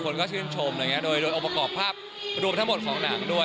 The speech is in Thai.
คนก็ชื่นชมอะไรอย่างนี้โดยองค์ประกอบภาพรวมทั้งหมดของหนังด้วย